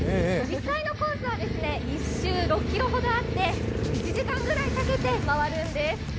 実際のコースは１周６ｋｍほどあって１時間ぐらいかけて回るんです。